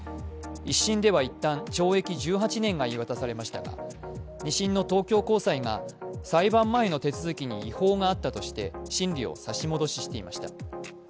１審ではいったん、懲役１８年が言い渡されましたが２審の東京高裁が裁判前の手続きに違法があったとして審理を差し戻していました。